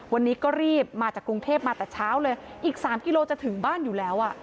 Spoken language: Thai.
วันนี้ก็รีบมาจากกรุงเทพมาแต่เช้าเลยอีก๓กิโลจะถึงบ้านอยู่แล้วอ่ะ